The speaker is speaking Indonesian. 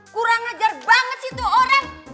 kurang ajar banget sih itu orang